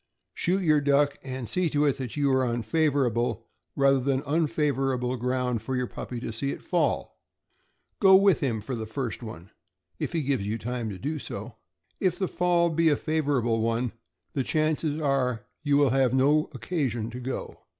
Shoot your duck, and see to it that you are on favorable rather than unfavorable ground for your puppy to see it fall. Go with him for the first one, if he gives you time to do so. If the fall be a favorable one, the chances are you will have no occasion to go.